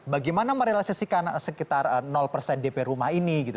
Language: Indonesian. bagaimana merealisasikan sekitar persen dp rumah ini gitu